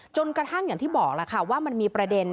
จนกระทั่งอย่างที่บอกล่ะค่ะว่ามันมีประเด็น